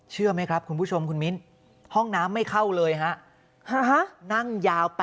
เชื่อไหมครับคุณผู้ชมคุณมิ้นห้องน้ำไม่เข้าเลยฮะนั่งยาว๘๐